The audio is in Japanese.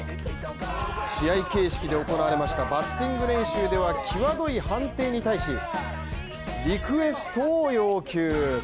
試合形式で行われましたバッティング練習では際どい判定に対してリクエストを要求。